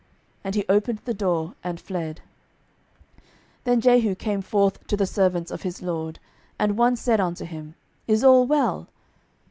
And he opened the door, and fled. 12:009:011 Then Jehu came forth to the servants of his lord: and one said unto him, Is all well?